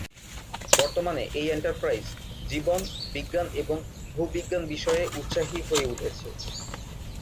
বর্তমানে এই এন্টারপ্রাইজ জীবন বিজ্ঞান এবং ভূ বিজ্ঞান বিষয়ে উৎসাহী হয়ে উঠেছে।